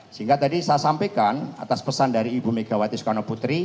sehingga tadi saya sampaikan atas pesan dari ibu megawati soekarno putri